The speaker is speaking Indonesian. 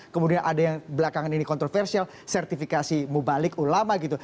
kemudian ada yang belakangan ini kontroversial sertifikasi mubalik ulama gitu